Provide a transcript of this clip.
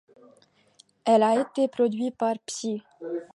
Elle a été produite par Psy.